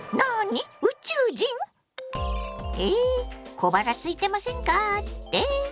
小腹すいてませんかって？